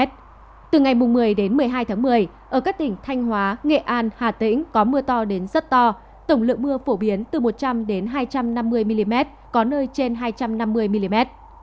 từ ngày một mươi một mươi hai tháng một mươi ở các tỉnh thanh hóa nghệ an hà tĩnh có mưa to đến rất to tổng lượng mưa phổ biến từ một trăm linh hai trăm năm mươi mm có nơi trên hai trăm năm mươi mm